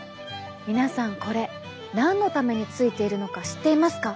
皆さんこれ何のためについているのか知っていますか？